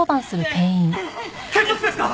警察ですか？